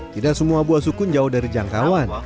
tidak semua buah sukun jauh dari jangkauan